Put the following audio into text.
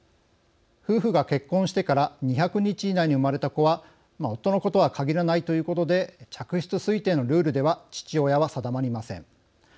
夫婦が結婚してから２００日以内に生まれた子は夫の子とは、かぎらないということで嫡出推定のルールでは父親は定まりません。